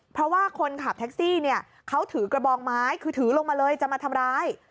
เพราะว่าคนขับแท็กซี่เนี่ยเขาถือกระบองไม้คือถือลงมาเลยจะมาทำร้าย